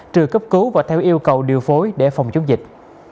trừ cấp cứu và theo yêu cầu điều phối để phòng chống dịch